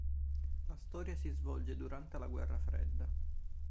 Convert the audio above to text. La storia si svolge durante la Guerra Fredda.